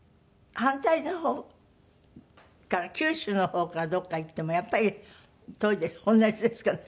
反対の方から九州の方からどこか行ってもやっぱり遠い同じですかね？